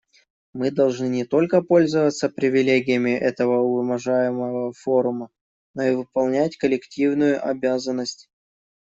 Мы должны не только пользоваться привилегиями этого уважаемого форума, но и выполнять коллективную обязанность.